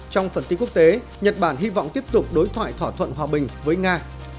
trong phần tin quốc tế nhật bản hy vọng tiếp tục đối thoại thỏa thuận hòa bình với nga